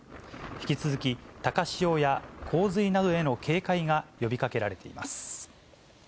引き続き高潮や洪水などへの警戒が呼びかけられています。